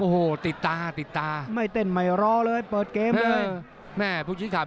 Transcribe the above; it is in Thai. โอ้โหติดตาติดตาไม่เต้นไม่รอเลยเปิดเกมเลยแม่ผู้ชี้ขาด